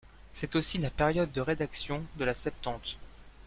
C'est aussi la période de rédaction de la Septante.